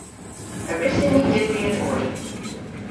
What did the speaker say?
A wrussyn ni dybri an oy?